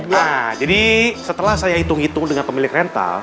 nah jadi setelah saya hitung hitung dengan pemilik rental